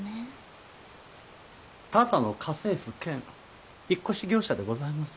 ただの家政夫兼引っ越し業者でございます。